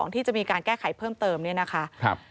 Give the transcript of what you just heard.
ที่จะมีการแก้ไขเพิ่มเติมเนี่ยนะคะ